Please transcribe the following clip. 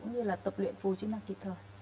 như là tập luyện phù chức năng kịp thời